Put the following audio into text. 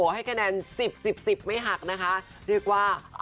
ให้คะแนน๑๐๑๐๑๐ไม่หักนะคะ